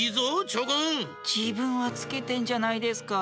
じぶんはつけてんじゃないですか。